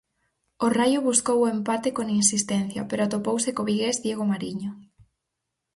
O Raio buscou o empate con insistencia, pero atopouse co vigués Diego Mariño.